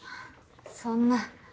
そんな。